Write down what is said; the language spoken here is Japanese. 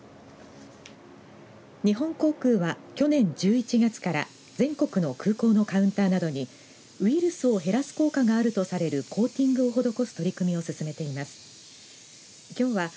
日本航空は、去年１１月から全国の空港のカウンターなどにウイルスを減らす効果があるとされるコーティングを施す取り組みを進めています。